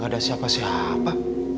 gak ada siapa siapa